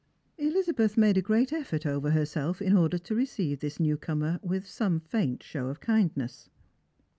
Elizabeth made a great effort over herself in order to receive this new comer with some faint show of kindness.